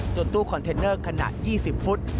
ตู้คอนเทนเนอร์ขนาด๒๐ฟุต